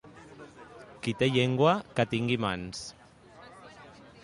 Qui té llengua, que tingui mans.